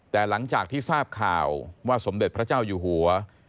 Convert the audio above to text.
แต่หลังจากที่ทราบข่าวว่าสมเด็จพระเจ้าอยู่หัว